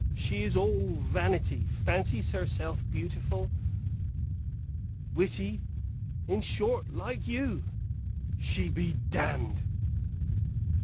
She is all vanity: fancies herself beautiful; witty; in short, like you. She be damned!